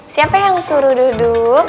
siapa yang suruh duduk